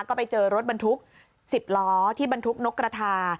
ก็ไปเจอรถบรรทุก๑๐ล้อที่บรรทุกนกกระทา